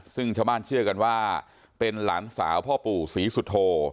ซึ่งชาวบ้านเชื่อกันว่าเป็นหลานสาวพ่อปู่ศรีสุโธ